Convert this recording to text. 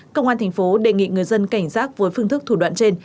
công an thành phố đề nghị người dân cảnh giác với phương thức thủ đoạn trên